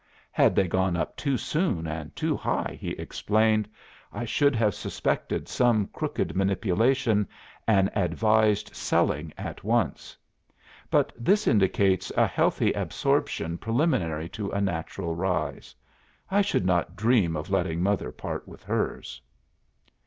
'Had they gone up too soon and too high,' he explained, 'I should have suspected some crooked manipulation and advised selling at once. But this indicates a healthy absorption preliminary to a natural rise. I should not dream of letting mother part with hers.